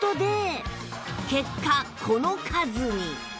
結果この数に！